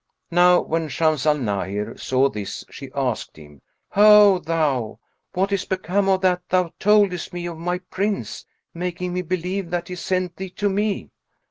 Now when Shams al Nahir saw this, she asked him, "Ho thou! what is become of that thou toldest me of my Prince, making me believe that he sent thee to me?"